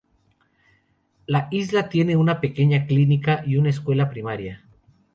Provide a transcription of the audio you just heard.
La isla tiene una pequeña clínica y una escuela primaria.